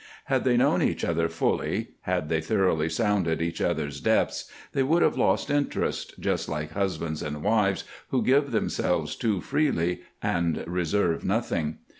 Had they known each other fully, had they thoroughly sounded each other's depths, they would have lost interest, just like husbands and wives who give themselves too freely and reserve nothing.